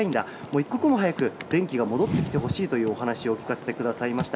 一刻も早く電気が戻ってきてほしいというお話を聞かせていただきました。